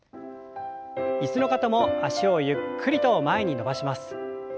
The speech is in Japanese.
椅子の方も脚をゆっくりと前に伸ばします。